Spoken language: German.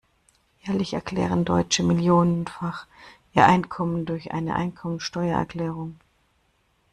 Jährlich erklären Deutsche millionenfach ihr Einkommen durch eine Einkommensteuererklärung.